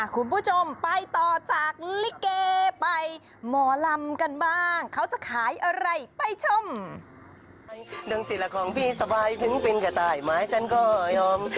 คุณผู้ชมไปต่อจากลิเกไปหมอลำกันบ้างเขาจะขายอะไรไปชม